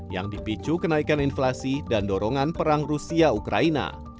yang dipicu kenaikan inflasi dan dorongan perang rusia ukraina